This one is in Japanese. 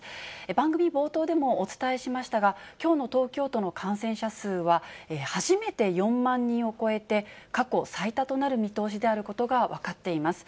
番組冒頭でもお伝えしましたが、きょうの東京都の感染者数は、初めて４万人を超えて、過去最多となる見通しであることが分かっています。